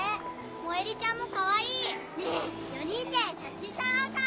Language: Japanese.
モエリちゃんもかわいい！ねぇ４人で写真撮ろうか！